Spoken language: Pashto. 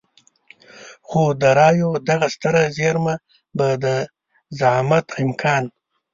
خو د رايو دغه ستره زېرمه به د زعامت امکان.